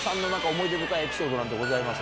思い出深いエピソードございます？